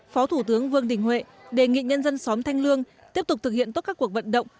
phó thủ tướng vương đình huệ đề nghị nhân dân xóm thanh lương tiếp tục thực hiện tốt các cuộc vận động